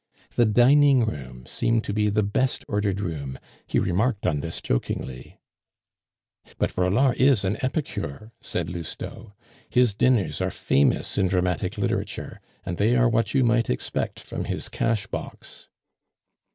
The dining room seemed to be the best ordered room, he remarked on this jokingly. "But Braulard is an epicure," said Lousteau; "his dinners are famous in dramatic literature, and they are what you might expect from his cash box."